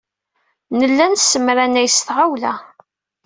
Nella nesmernay s tɣawla.